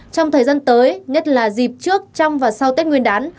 trong thời gian tới nhất là dịp trước trong và sau tết nguyên đán